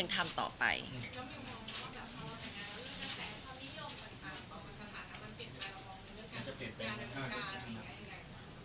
แล้วมีมองว่าแบบพอเราแต่งงาน